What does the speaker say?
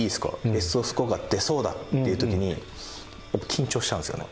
ベストスコアが出そうだっていう時にやっぱ緊張しちゃうんですよね。